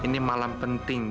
ini malam penting